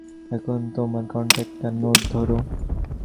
এখন তোমার কন্ঠে একটা নোট ধরো।